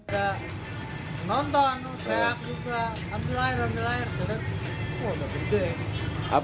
contohnya saya aku juga ambil air ambil air terus wah udah gede